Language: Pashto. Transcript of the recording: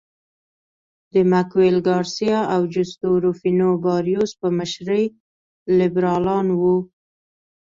د مګویل ګارسیا او جوستو روفینو باریوس په مشرۍ لیبرالان وو.